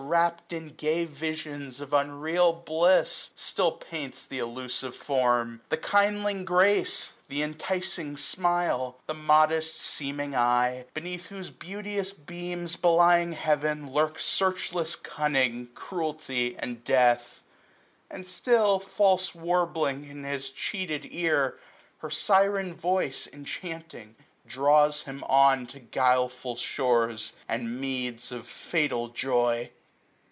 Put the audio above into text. Wrapt in gay visions of unreal bliss, 985 Still paints th* illusive form ; the kindling grace ; Th* inticing smile ; the modest seeming eye, Beneath whose beauteous beams, belying Heaven, Lurk searchless cunning, cruelty, and death : And still, false warbling in his cheated ear, 990 Her syren voice, enchanting, draws him on To guileful shores, and meads of fatal joy.